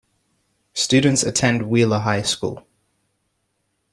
Students attend Wheeler High School.